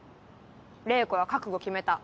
怜子は覚悟決めた。